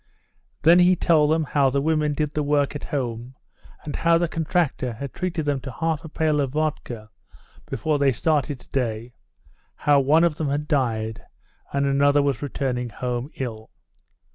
Then he told them how the women did the work at home, and how the contractor had treated them to half a pail of vodka before they started to day, how one of them had died, and another was returning home ill.